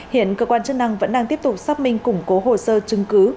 hiện cơ quan chức năng vẫn đang tiếp tục xác minh củng cố hồ sơ chứng cứ